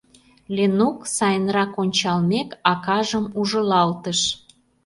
— Ленук, — сайынрак ончалмек, акажым ужылалтыш.